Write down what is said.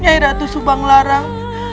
nyai ratu subanglarang